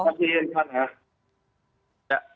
terima kasih yonarto